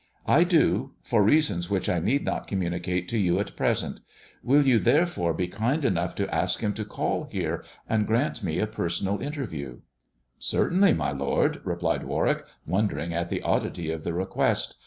"I do; for reasons which I need not communicate to you at present. Will you, therefore, be kind enough to ask him to call here, and grant me a personal interview 1 " "Certainly, my lord," replied Warwick, wondering at the oddity of the request.